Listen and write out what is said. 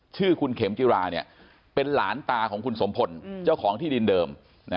ชื่อคุณเข็มจิราเป็นหลานตาของคุณสมพลเจ้าของที่ดินเดิม